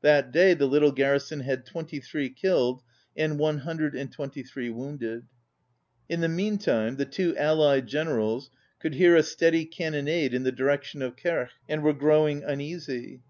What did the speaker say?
That day the little garrison had twenty three killed and one hundred and twenty three wounded. In the meantime the two allied generals could hear a steady can nonade in the direction of Quercq, and were growing uneasy.